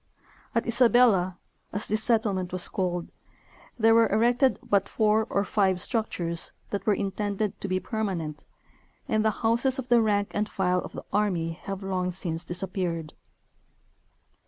At Isabella, as this settlement was called, there were erected but four or five structures that were intended to be permanent, and the houses of the rank and file of the army have long since disappeared.